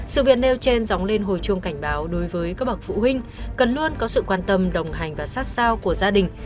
sự việc nêu trên dóng lên hồi chuông cảnh báo đối với các bậc phụ huynh cần luôn có sự quan tâm đồng hành và sát sao của gia đình